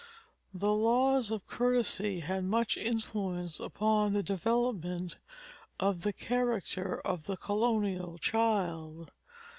The laws of courtesy had much influence upon the development of the character of the colonial child.